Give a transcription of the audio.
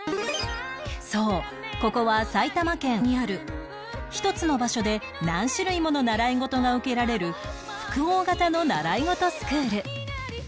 そうここは埼玉県にある１つの場所で何種類もの習い事が受けられる複合型の習い事スクール